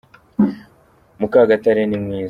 mukagatare nimwiza